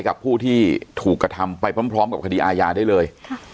กับผู้ที่ถูกกระทำไปพร้อมกับคดีอาญาได้เลย